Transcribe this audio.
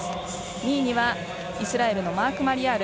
２位はイスラエルのマーク・マリヤール。